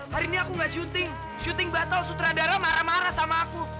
hari ini aku gak syuting syuting battle sutradara marah marah sama aku